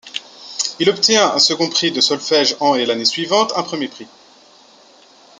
Il obtient un second prix de solfège en et l'année suivante, un premier prix.